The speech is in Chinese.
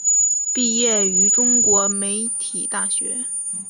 毕业于中国传媒大学。